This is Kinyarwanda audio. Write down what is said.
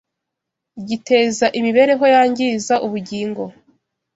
giteza imibereho yangiza ubugingo